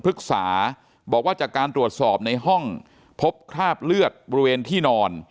ฤกษาบอกว่าจากการตรวจสอบในห้องพบคราบเลือดบริเวณที่นอน